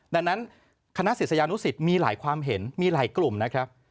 ดังนั้นคณะศิษยานุสิตมีหลายความเห็นมีหลายกลุ่มนะครับ